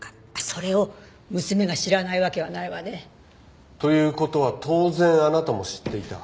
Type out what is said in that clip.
それを娘が知らないわけはないわね。という事は当然あなたも知っていた。